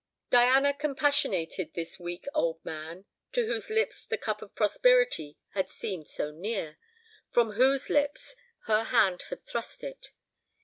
Diana compassionated this weak old man, to whose lips the cup of prosperity had seemed so near, from whose lips her hand had thrust it.